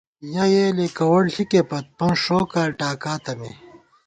یَہ یېلے کوَڑ ݪِکے پت پنڅ ݭو کال ٹاکاتہ مے